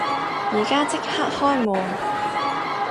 而家即刻開門！